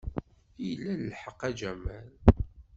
Ila lḥeqq, a Jamal.